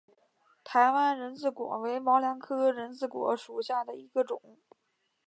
台湾人字果为毛茛科人字果属下的一个种。